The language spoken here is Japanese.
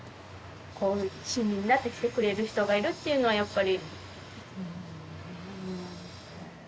こう親身になって来てくれる人がいるっていうのはやっぱり。